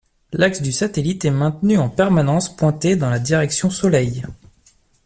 L'axe du satellite est maintenu en permanence pointé dans la direction Soleil.